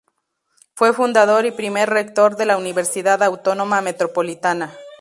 Fue fundador y primer rector de la Universidad Autónoma Metropolitana.